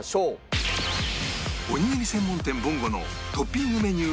おにぎり専門店ぼんごのトッピングメニュー